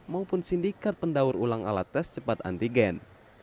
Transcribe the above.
maupun sindikat pendaur ulang alat tes cepat antigen